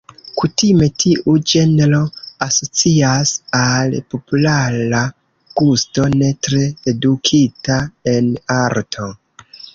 Kutime tiu ĝenro asocias al populara gusto, ne tre edukita en arto.